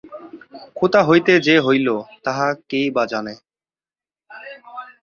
কোথা হইতে যে হইল, তাহা কেই বা জানে?